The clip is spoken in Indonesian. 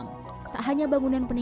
memiliki beberapa budaya seperti